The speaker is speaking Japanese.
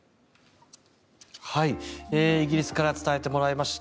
イギリスから伝えてもらいました。